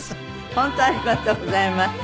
本当ありがとうございました。